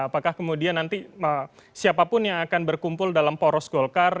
apakah kemudian nanti siapapun yang akan berkumpul dalam poros golkar